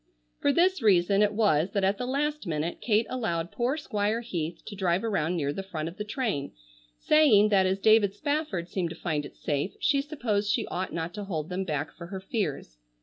For this reason it was that at the last minute Kate allowed poor Squire Heath to drive around near the front of the train, saying that as David Spafford seemed to find it safe she supposed she ought not to hold them back for her fears.